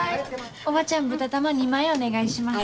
おばちゃん豚玉２枚お願いします。